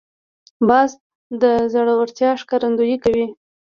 باز د زړورتیا ښکارندویي کوي